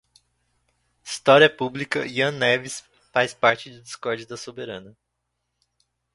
História Pública, Ian Neves, faz parte do discord da Soberana